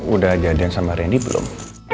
udah jadian sama randy belum